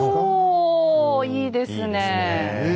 おおいいですねえ。